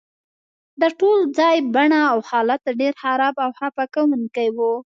د ټول ځای بڼه او حالت ډیر خراب او خفه کونکی و